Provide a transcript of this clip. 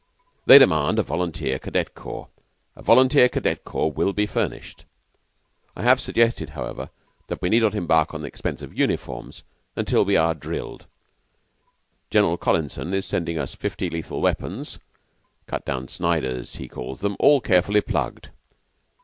They demand a volunteer cadet corps. A volunteer cadet corps will be furnished. I have suggested, however, that we need not embark upon the expense of uniforms till we are drilled. General Collinson is sending us fifty lethal weapons cut down Sniders, he calls them all carefully plugged."